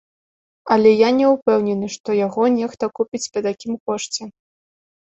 Але я не ўпэўнены, што яго нехта купіць па такім кошце.